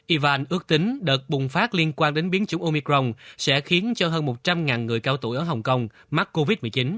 iran ước tính đợt bùng phát liên quan đến biến chứng omicron sẽ khiến cho hơn một trăm linh người cao tuổi ở hồng kông mắc covid một mươi chín